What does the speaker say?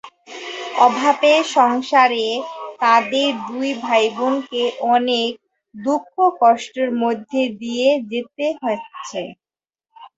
অভাবের সংসারে তাদের দুই ভাইবোনকে অনেক দুঃখ-কষ্টের মধ্য দিয়ে যেতে হয়েছে।